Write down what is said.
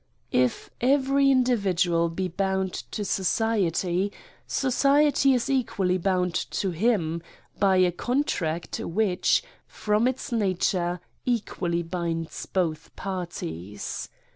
If every individual be bound to society, society is equally bound to him, by a contract which, from its nature equally binds both parties.